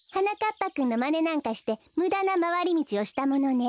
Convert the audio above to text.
ぱくんのまねなんかしてむだなまわりみちをしたものね。